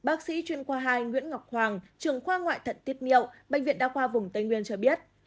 bác sĩ chuyên khoa hai nguyễn ngọc hoàng trường khoa ngoại thận tiết niệu bệnh viện đa khoa vùng tây nguyên cho biết